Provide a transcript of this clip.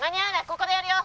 ここでやるよ！」